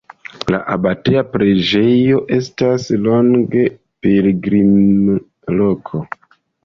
La abateja preĝejo estas longe pilgrimloko.